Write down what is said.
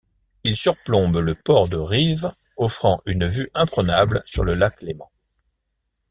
Il surplombe le port de Rives, offrant une vue imprenable sur le lac Léman.